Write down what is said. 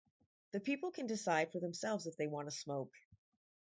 The people can decide for themselves if they wanna smoke.